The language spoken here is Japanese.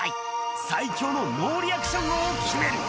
最強のノーリアクション王を決める。